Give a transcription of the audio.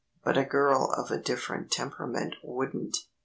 But a girl of a different temperament wouldn't.